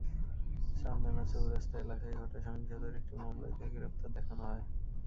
চান্দনা চৌরাস্তা এলাকায় ঘটা সহিংসতার একটি মামলায় তাঁকে গ্রেপ্তার দেখানো হয়।